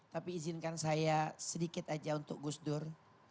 tapi izinkan saya sedikit aja untuk gus dur